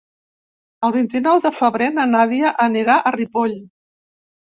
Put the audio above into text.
El vint-i-nou de febrer na Nàdia anirà a Ripoll.